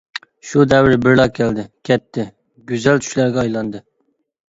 شۇ دەۋر بىرلا كەلدى، كەتتى، گۈزەل چۈشلەرگە ئايلاندى.